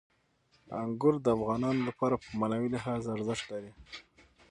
انګور د افغانانو لپاره په معنوي لحاظ ارزښت لري.